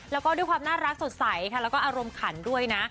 แล้วก็ด้วยความน่ารักสดใสค่ะแล้วก็อารมณ์ขันด้วยนะ